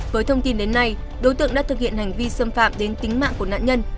với thông tin đến nay đối tượng đã thực hiện hành vi xâm phạm đến tính mạng của nạn nhân